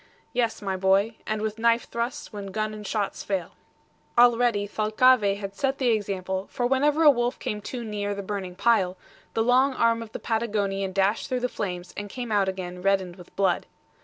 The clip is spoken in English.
"Yes, my boy, and with knife thrusts, when gun and shots fail." Already Thalcave had set the example, for whenever a wolf came too near the burning pile, the long arm of the Patagonian dashed through the flames and came out again reddened with blood.